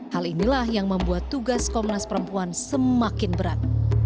hal inilah yang membuat tugas komnas perempuan semakin berat